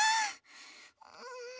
うん。